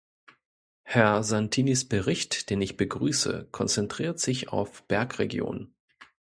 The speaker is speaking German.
Herr Santinis Bericht den ich begrüße konzentriert sich auf Bergregionen.